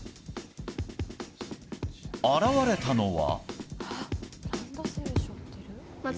現れたのは。